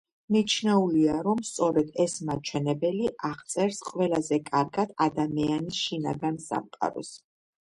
მიჩნეულია, რომ სწორედ ეს მაჩვენებელი აღწერს ყველაზე კარგად ადამიანის შინაგან სამყაროს.